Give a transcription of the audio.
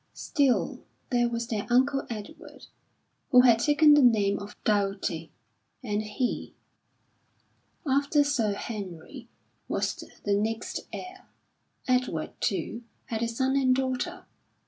Still there was their uncle Edward, who had taken the name of Doughty, and he, after Sir Henry, was the next heir. Edward, too, had a son and daughter.